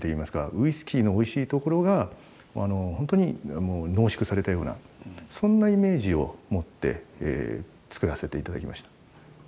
ウイスキーのおいしいところがホントに濃縮されたようなそんなイメージを持って造らせて頂きました。